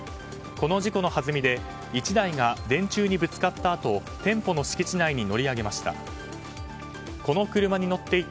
この事故のはずみで１台が電柱にぶつかったあと店舗の敷地内に乗り上げました。